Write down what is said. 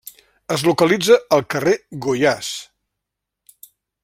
Es localitza al Carrer Goiás.